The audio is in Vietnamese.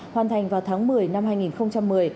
hoàn thành vào tháng một mươi năm hai nghìn một mươi